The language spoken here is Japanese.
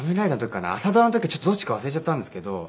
朝ドラの時かちょっとどっちか忘れちゃったんですけど。